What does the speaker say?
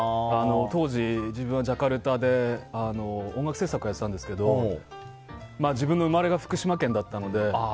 当時、自分はジャカルタで音楽制作をやってたんですけど自分の生まれが福島県だったので。